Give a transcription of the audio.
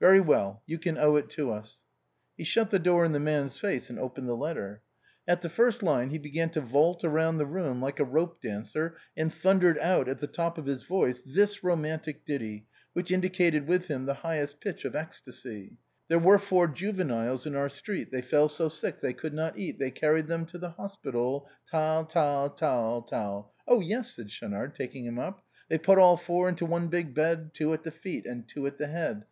"Very well, you can owe it to us." He shut the door in the man's face, and opened the letter. At the first line, he. began to vault round the room like a rope dancer, and thundered out, at the top of his voice, 37 38 THE BOHEMIANS OF THE LATIN QUARTER. this romantic ditty, which indicated with him the highest pitch of ecstacy : "There were four juveniles in our street; They fell so sick they could not eat ; They carried them to the hospital — Tal! tail I tall!! tal!!!!" " yes !" said Schaunard, taking him up :" They put all four into one big bed, Two at the feet and two at the head."